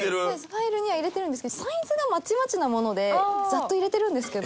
ファイルには入れてるんですけどサイズがまちまちなものでざっと入れてるんですけど。